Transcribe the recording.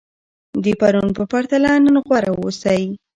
د پرون په پرتله نن غوره اوسئ.